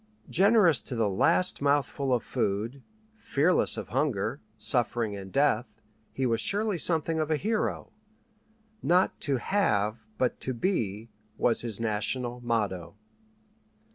Generous to the last mouthful of food, fearless of hunger, suffering, and death, he was surely something of a hero. Not "to have," but "to be," was his national motto.